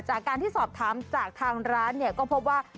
จากการที่สอบถามจากทางร้านเนี่ยก็พบว่า